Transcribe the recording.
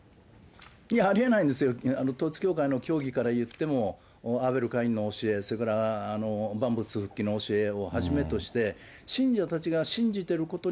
いや、ありえないですよ、統一教会の教義からいっても、アベル、カインの教え、それから万物復帰の教えをはじめとして、信者たちが信じてること